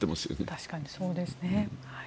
確かにそうですね。